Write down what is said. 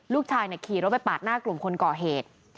ขี่รถไปปาดหน้ากลุ่มคนก่อเหตุ